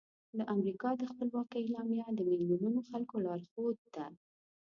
د امریکا د خپلواکۍ اعلامیه د میلیونونو خلکو لارښود ده.